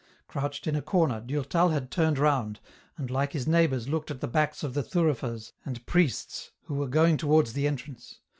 Crouched in a corner, Durtal had turned round, and like his neighbours looked at the backs of the thurifers and priests, who were going towards the entrance.